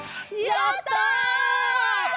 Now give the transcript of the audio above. やった！